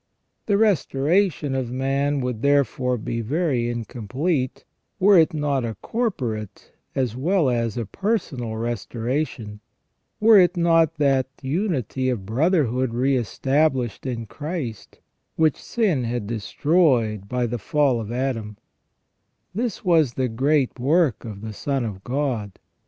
The restoration of man would, therefore, be very incomplete, were it not a corporate as well as a personal restoration, were it not that unity of brotherhood re established in Christ, which sin had destroyed by the fall of Adam, This was the great work of the Son of God.